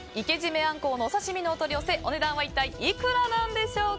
アンコウのお刺し身のお取り寄せ、お値段は一体いくらなんでしょうか。